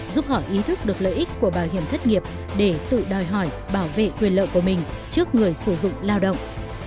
giúp họ ý thức được lợi ích của bảo hiểm thất nghiệp để tự đòi hỏi bảo vệ quyền lợi của mình trước người sử dụng lao động